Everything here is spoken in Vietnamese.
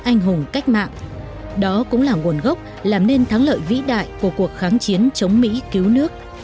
anh hùng cách mạng đó cũng là nguồn gốc làm nên thắng lợi vĩ đại của cuộc kháng chiến chống mỹ cứu nước